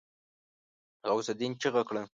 غوث االدين چيغه کړه.